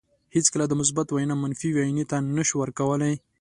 هیڅکله د مثبت وینه منفي وینې ته نشو ورکولای.